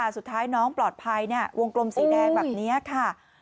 สุดท้ายน้องปลอดภัยวงกลมสีแดงแบบนี้ค่ะ